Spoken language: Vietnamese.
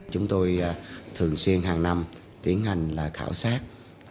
chúng tôi thường xuyên hàng năm tiến hành khảo sát